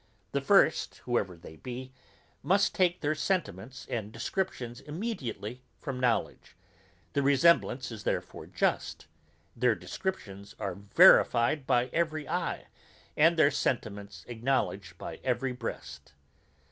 The first, whoever they be, must take their sentiments and descriptions immediately from knowledge; the resemblance is therefore just, their descriptions are verified by every eye, and their sentiments acknowledged by every breast.